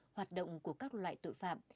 hoạt động của các loại tội phạm